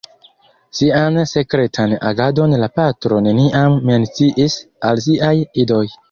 Sian sekretan agadon la patro neniam menciis al siaj idoj.